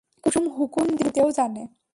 কুসুম হুকুম দিতেও জানে।